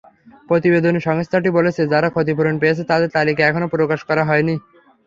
প্রতিবেদনে সংস্থাটি বলেছে, যাঁরা ক্ষতিপূরণ পেয়েছেন তাঁদের তালিকা এখনো প্রকাশ করা হয়নি।